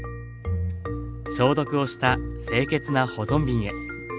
消毒をした清潔な保存瓶へ。